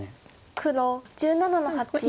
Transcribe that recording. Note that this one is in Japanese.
黒１７の八ハネ。